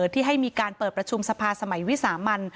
ที่ให้มีการเปิดประชุมสภาสมัยวิสามัน